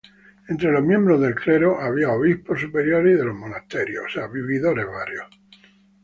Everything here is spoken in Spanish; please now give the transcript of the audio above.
Entre los miembros del clero, había obispos superiores y de los monasterios.